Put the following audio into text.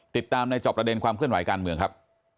ติดตามในจอบประเด็นความเคลื่อนไหวการเมืองครับ